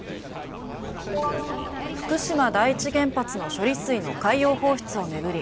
福島第一原発の処理水の海洋放出を巡り